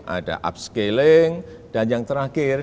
ada upscaling dan yang terakhir